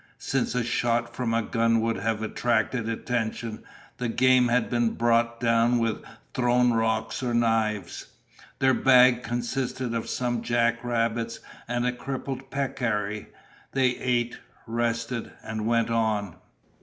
Since a shot from a gun would have attracted attention, the game had been brought down with thrown rocks or knives. Their bag consisted of some jack rabbits and a crippled peccary. They ate, rested, and went on.